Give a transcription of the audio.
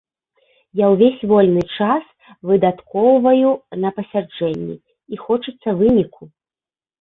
Я ўвесь вольны час выдаткоўваю на пасяджэнні, і хочацца выніку.